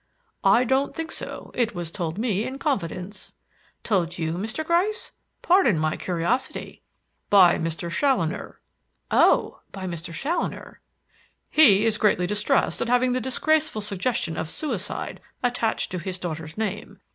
"I don't think so. It was told me in confidence." "Told you, Mr. Gryce? Pardon my curiosity." "By Mr. Challoner." "Oh! by Mr. Challoner." "He is greatly distressed at having the disgraceful suggestion of suicide attached to his daughter's name.